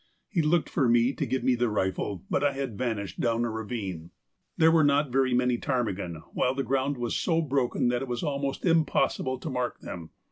He looked for me to give me the rifle, but I had vanished down a ravine. There were not very many ptarmigan, while the ground was so broken that it was almost impossible to mark them.